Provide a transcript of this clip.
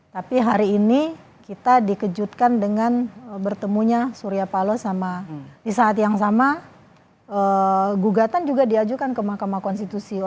tapi hari ini kita dikejutkan dengan bertemunya surya paloh sama di saat yang sama gugatan juga diajukan ke mahkamah konstitusi